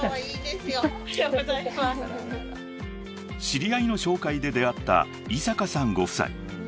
［知り合いの紹介で出会った井坂さんご夫妻］